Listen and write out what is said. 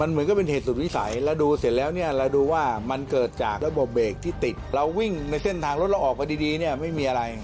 เอาวิ่งในเส้นทางรถเราออกไปดีไม่มีอะไร